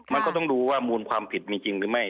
มันก็ต้องดูว่ามูลความผิดมีจริงหรือไม่